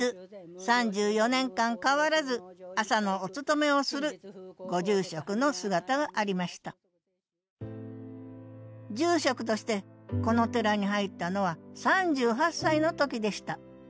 ３４年間変わらず朝のお勤めをするご住職の姿がありました住職としてこの寺に入ったのは３８歳の時でした。